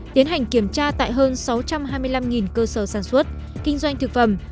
tiến hành kiểm tra tại hơn sáu trăm hai mươi năm cơ sở sản xuất kinh doanh thực phẩm